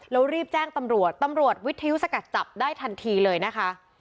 แล้วรีบแจ้งตำรวจตำรวจวิทยุสกัดจับได้ทันทีเลยนะคะ